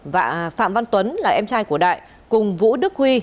và phạm văn tuấn là em trai của đại cùng vũ đức huy